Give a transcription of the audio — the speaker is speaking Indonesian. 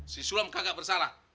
si sulam kagak bersalah